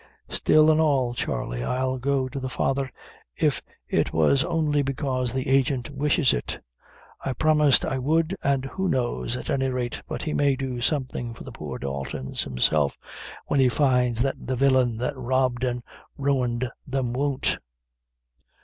"Still an' all, Charley, I'll go to the father, if it was only bekaise the agent wishes it; I promised I would, an' who knows at any rate but he may do something for the poor Daltons himself, when he finds that the villain that robbed and ruined them won't."